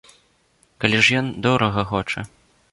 Калі ж ён дорага хоча.